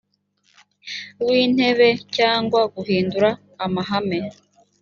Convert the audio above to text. w intebe cyangwa guhindura amahame